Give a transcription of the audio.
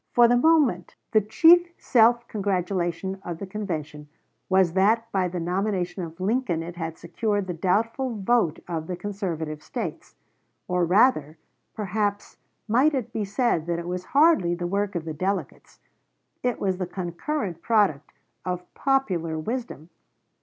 For the moment the chief self congratulation of the convention was that by the nomination of Lincoln it had secured the doubtful vote of the conservative States. Or rather, perhaps, might it be said that it was hardly the work of the delegates it was the concurrent product of popular wisdom.